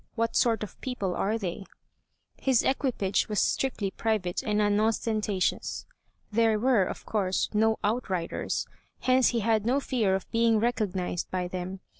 What sort of people are they?" His equipage was strictly private and unostentatious. There were, of course, no outriders; hence he had no fear of being recognized by them.